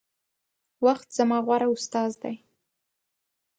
وخت زما غوره استاذ دے